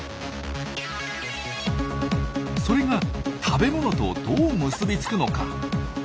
それが食べ物とどう結びつくのか？